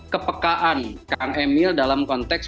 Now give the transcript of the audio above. kepekaan kang emil dalam konteks